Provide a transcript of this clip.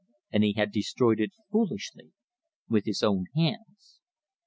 And he had destroyed it foolishly with his own hands!